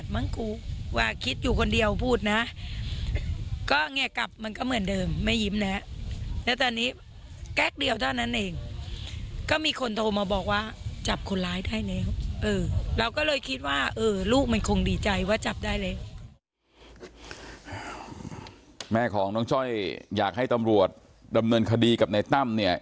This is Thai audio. แม่ของน้องจ้อยอยากให้ตำรวจดำเนินคดีกับในตั้มเนี่ย